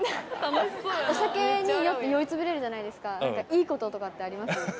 酔いつぶれるじゃないですかいいことってあります？